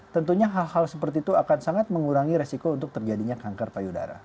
tentunya hal hal seperti itu akan sangat mengurangi resiko untuk terjadinya kanker payudara